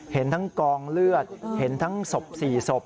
เห็นทั้งกองเลือดเห็นทั้งศพ๔ศพ